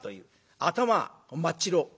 頭真っ白。